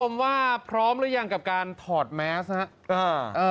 ผมว่าพร้อมหรือยังกับการถอดแมสนะครับ